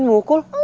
ini kan udah malem